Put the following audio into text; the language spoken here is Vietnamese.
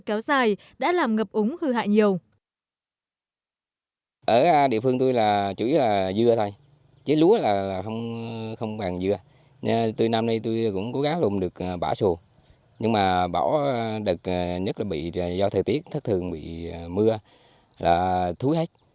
các dưỡng dưa kéo dài đã làm ngập úng hư hại nhiều